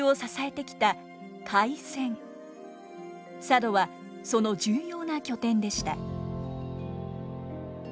佐渡はその重要な拠点でした。